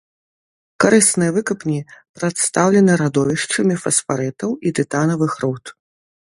Карысныя выкапні прадстаўлены радовішчамі фасфарытаў і тытанавых руд.